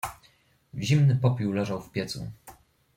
"Zimny popiół leżał w piecu."